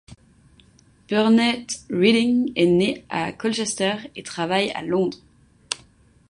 Burnet Reading est né à Colchester et travaille à Londres.